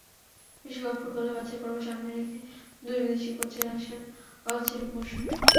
বিশ্বকাপ ফুটবলের বাছাইপর্ব সামনে রেখে দুই বিদেশি কোচের আসার কথা ছিল পরশু।